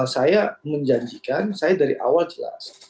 saya menjanjikan saya dari awal jelas